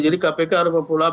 jadi kpk adalah populer